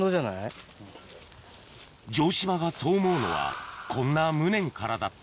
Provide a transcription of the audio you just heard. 城島がそう思うのはこんな無念からだった